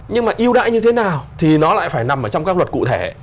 nhưng mà yêu đãi như thế nào thì nó lại phải nằm trong các luật cụ thể